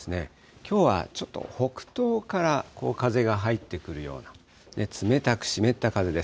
きょうはちょっと北東から風が入ってくるような、冷たく湿った風です。